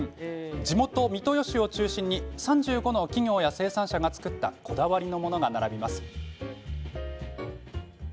地元、三豊市を中心に３５の企業や生産者が作ったこだわりのものが並びます。